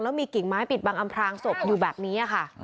แล้วมีกิ่งไม้ปิดบังอำพลางศพอยู่แบบนี้ค่ะ